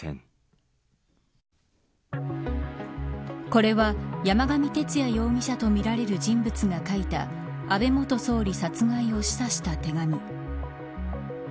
これは、山上徹也容疑者とみられる人物が書いた安倍元総理殺害を示唆した手紙。